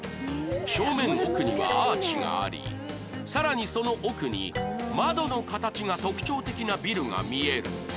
正面奥にはアーチがありさらにその奥に窓の形が特徴的なビルが見える